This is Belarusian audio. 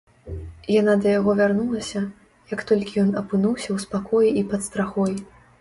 Яна да яго вярнулася, як толькі ён апынуўся ў спакоі і пад страхой.